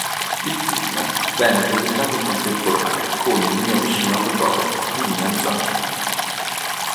Il film venne presentato in contemporanea con "Il mio vicino Totoro" di Miyazaki.